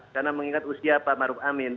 karena mengingat usia pak ma'ruf amin